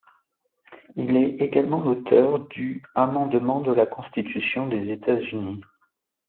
Il est également l'auteur du amendement de la Constitution des États-Unis.